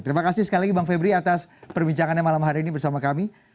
terima kasih sekali lagi bang febri atas perbincangannya malam hari ini bersama kami